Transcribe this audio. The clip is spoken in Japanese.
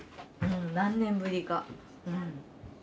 何年ぶりか。